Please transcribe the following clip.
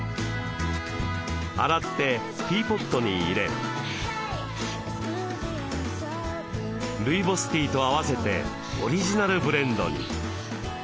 洗ってティーポットに入れルイボスティーと合わせてオリジナルブレンドに。